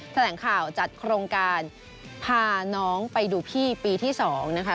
แถลงข่าวจัดโครงการพาน้องไปดูพี่ปีที่๒นะคะ